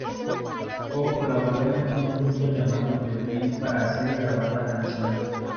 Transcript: Koo colaboró con un grupo llamado The Blind para hacer y grabar la canción.